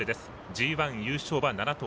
ＧＩ優勝馬７頭。